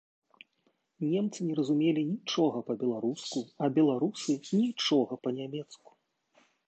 Немцы не разумелі нічога па-беларуску, а беларусы нічога па-нямецку.